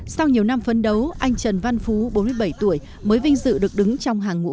sau nhiều năm phấn đấu anh trần văn phú bốn mươi bảy tuổi mới vinh dự được đứng trong hàng ngũ